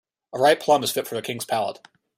A ripe plum is fit for a king's palate.